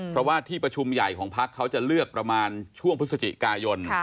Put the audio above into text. เพราะว่าที่ประชุมใหญ่ของพักเขาจะเลือกประมาณช่วงพฤศจิกายน